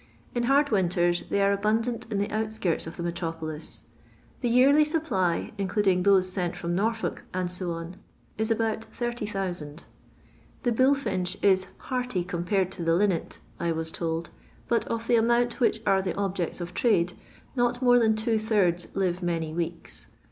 In hard winters they are abundant in the out skirts of the metropolis. The yearly supply, including those sent frt>m Norfolk, &c., is about 80,000. The bullfinch is "hearty compared to the linnet," I was told, but of the amount which are the objects of trade, not more than two thirds live many weeks.